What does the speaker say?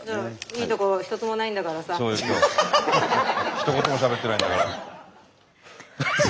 ひと言もしゃべってないんだから。